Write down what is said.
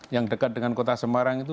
yang dekat dengan kota semarang itu